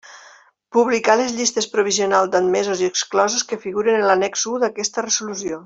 Publicar les llistes provisionals d'admesos i exclosos que figuren en l'annex u d'aquesta resolució.